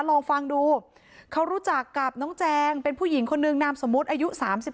ลองฟังดูเขารู้จักกับน้องแจงเป็นผู้หญิงคนนึงนามสมมุติอายุ๓๒